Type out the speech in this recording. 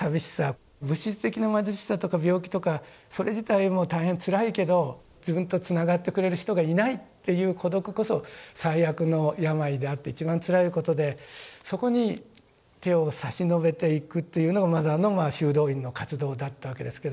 物質的な貧しさとか病気とかそれ自体も大変つらいけど自分とつながってくれる人がいないという孤独こそ最悪の病であって一番つらいことでそこに手を差し伸べていくというのがマザーの修道院の活動だったわけですけど。